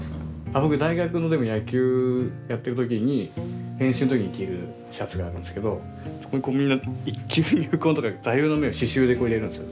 僕大学の時野球やってる時に練習の時に着るシャツがあるんですけどそこにみんな「一球入魂」とか座右の銘を刺しゅうで入れるんです。